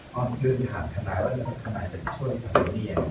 ขอบคุณกระทั่งกับบางคนอ่ะค่ะ